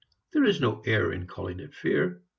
There is no error in calling it fear.